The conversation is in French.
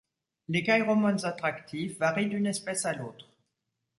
Les kairomones attractifs varient d'une espèce à l'autre.